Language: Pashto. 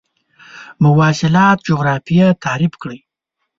مواصلات جغرافیه تعریف کړئ.